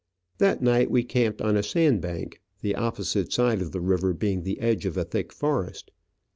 That night we camped on a sand bank, the opposite side of the river being the edge of a thick forest.